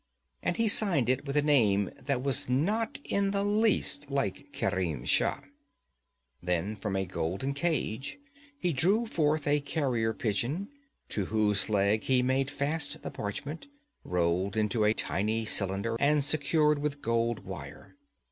And he signed it with a name that was not in the least like Kerim Shah. Then from a golden cage he drew forth a carrier pigeon, to whose leg he made fast the parchment, rolled into a tiny cylinder and secured with gold wire.